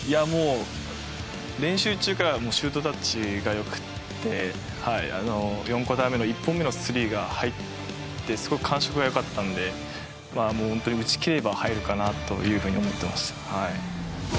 練習中からシュートタッチが良くて４クオーター目の１本目のスリーが入ってすごく感触が良かったので打ち切れれば入るかなと思っていました。